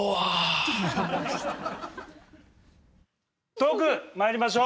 トークまいりましょう！